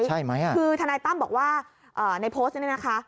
คือธนายตั้มบอกว่าในโพสต์นี้นะคะ